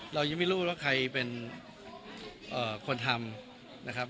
เรายังไม่รู้ว่าใครเป็นคนทำนะครับ